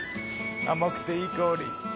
甘くていい香り。